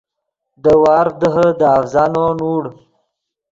دے وارڤ دیہے دے اڤزانو نوڑ